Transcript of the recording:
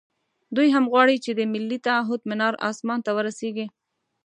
دوی هم غواړي چې د ملي تعهُد منار اسمان ته ورسېږي.